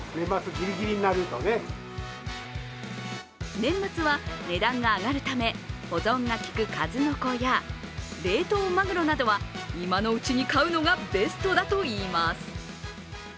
年末は値段が上がるため、保存がきく数の子や冷凍まぐろなどは今のうちに買うのがベストだといいます。